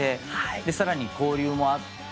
さらに交流もあって。